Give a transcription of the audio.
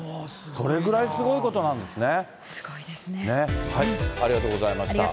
それぐらいすごいことなんですね。